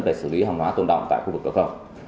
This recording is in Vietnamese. về xử lý hòng hóa tồn động tại khu vực cửa khẩu